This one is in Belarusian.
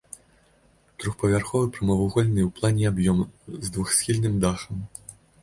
Трохпавярховы прамавугольны ў плане аб'ём з двухсхільным дахам.